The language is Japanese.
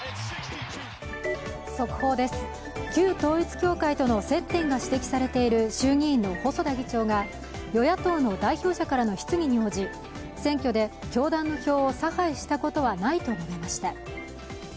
速報です、旧統一教会との接点が指摘されている衆議院の細田議長が与野党の代表者からの質疑に応じ選挙で教団の票を差配したことはないと述べました。